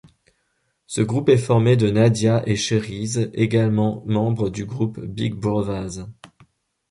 Ce groupe est formé de Nadia & Cherise, également membres du groupe Big Brovaz.